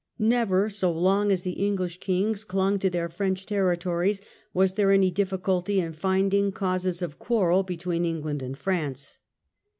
Never so long as the Enghsh Kings clung to their Relations French territories, was there any difiiculty in finding J^^^J ^"^'' causes of quarrel between England and France.